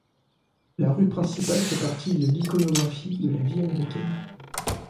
La rue principale fait partie de l'iconographie de la vie américaine.